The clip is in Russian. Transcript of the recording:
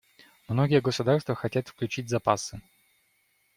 Многие государства хотят включить запасы.